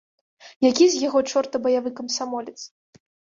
Які з яго чорта баявы камсамолец?